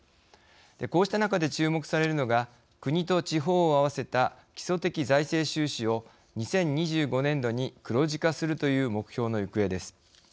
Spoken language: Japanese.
こうした中で、注目されるのが国と地方を合わせた基礎的財政収支を２０２５年度に黒字化するという目標の行方です。